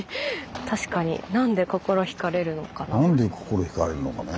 確かに何で心ひかれるのかね。